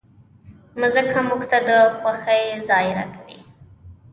مځکه موږ ته د خوښۍ ځای راکوي.